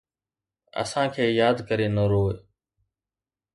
اسان کي ياد ڪري نه روءِ